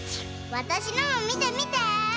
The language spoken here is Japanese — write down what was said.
わたしのもみてみて！